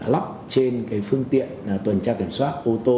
lắp trên phương tiện tuần tra kiểm soát ô tô